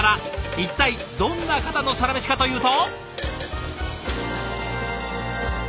一体どんな方のサラメシかというと。